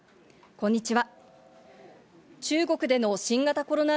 こんにちは。